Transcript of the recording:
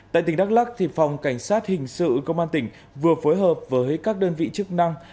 tại tỉnh đắk lắc phòng cảnh sát hình sự công an tỉnh vừa phối hợp với các đơn vị chức năng